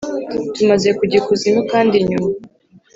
tumaze kujya ikuzimu kandi inyuma